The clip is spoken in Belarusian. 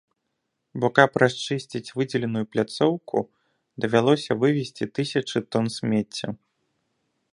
Бо каб расчысціць выдзеленую пляцоўку, давялося вывезці тысячы тон смецця.